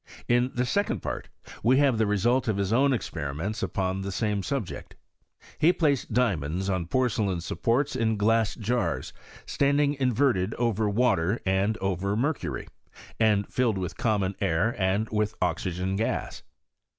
In the second par* we have the result of his own experiments upon the same subject. He placed diamonds on porcelain supports in glass jars standing inverted over water and over mercury ; and filled with common air and with oxygen gas.